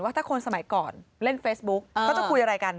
ถ้าคนสมัยก่อนเล่นเฟซบุ๊กเขาจะคุยอะไรกัน